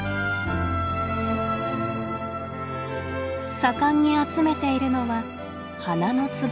盛んに集めているのは花のつぼみ。